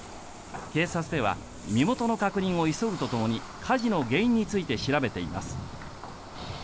警察では身元の確認を急ぐとともに火事の原因について調べています。